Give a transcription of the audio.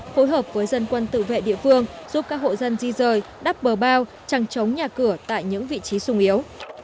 phối hợp với dân quân tự vệ địa phương giúp các hộ dân di rời đắp bờ bao trăng chống nhà cửa tại những vị trí sung yếu